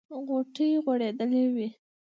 غوټۍ یې غوړېدلې وې.